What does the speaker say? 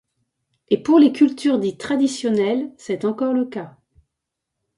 Et pour les cultures dites traditionnelles, c'est encore le cas.